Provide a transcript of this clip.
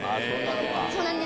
そうなんです。